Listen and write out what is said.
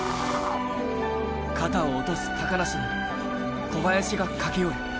肩を落とす高梨に、小林が駆け寄る。